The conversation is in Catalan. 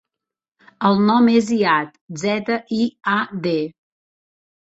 El nom és Ziad: zeta, i, a, de.